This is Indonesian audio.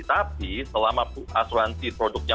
tapi selama asuransi produknya